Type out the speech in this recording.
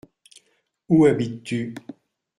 Où habites-tu ?